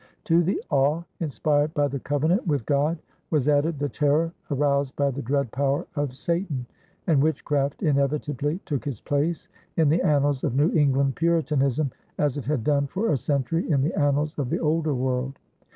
To the awe inspired by the covenant with God was added the terror aroused by the dread power of Satan; and witchcraft inevitably took its place in the annals of New England Puritanism as it had done for a century in the annals of the older world.